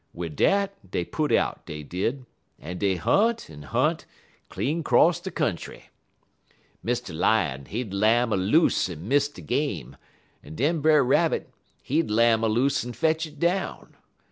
Wid dat dey put out, dey did, en dey hunt en hunt clean 'cross de country. "Mr. Lion, he'd lam aloose en miss de game, en den Brer Rabbit, he'd lam aloose en fetch it down.